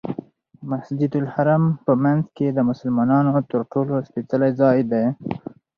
مسجدالحرام په منځ کې د مسلمانانو تر ټولو سپېڅلی ځای دی.